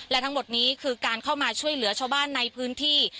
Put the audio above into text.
และทั้งหมดนี้คือการเข้ามาช่วยเหลือชาวบ้านในพื้นที่